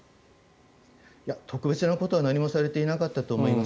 特別なことは何もされていなかったと思います。